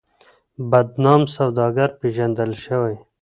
بدنام سوداگر پېژندل شوی.